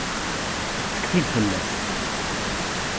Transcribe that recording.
ⵜⴽⵯⵜⵉⴷ ⴼⵍⵍⴰⵙ?